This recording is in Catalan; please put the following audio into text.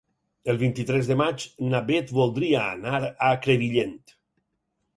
El vint-i-tres de maig na Beth voldria anar a Crevillent.